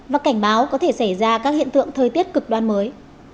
và cảnh báo có thể xảy ra các hiện tượng thời tiết cực đoan mới